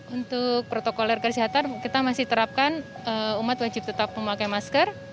untuk protokoler kesehatan kita masih terapkan umat wajib tetap memakai masker